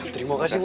terima kasih bu